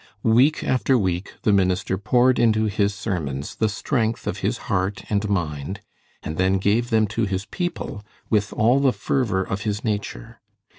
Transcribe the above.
Week after week the minister poured into his sermons the strength of his heart and mind, and then gave them to his people with all the fervor of his nature.